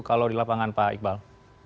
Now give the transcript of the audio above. kalau di lapangan pak iqbal